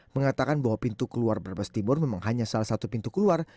mengatakan bahwa pintu keluar brebes timur memang hanya salah satu pintu keluar